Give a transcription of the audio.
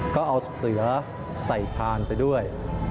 ก็เอาเสือใส่พานไปด้วย